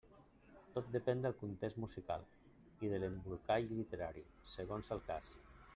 Tot depèn del context musical, i de l'embolcall literari, segons el cas.